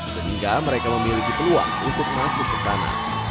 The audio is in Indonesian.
sehingga mereka memiliki peluang untuk masuk ke sana